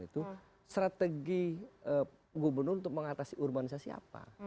itu strategi gubernur untuk mengatasi urbanisasi apa